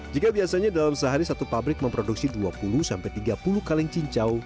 jika biasanya dalam sehari satu pabrik memproduksi dua puluh tiga puluh kaleng cincau